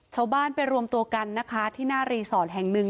ชาวบ้านไปรวมตัวกันนะคะที่หน้ารีสอร์ทแห่งหนึ่ง